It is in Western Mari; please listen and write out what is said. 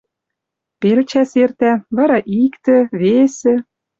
Пел чӓс эртӓ, вара иктӹ, весӹ.